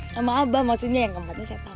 sama abah maksudnya yang keempatnya setan